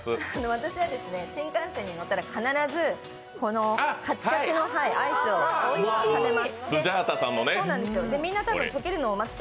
私は新幹線に乗ったら必ずカチカチのアイスを食べます。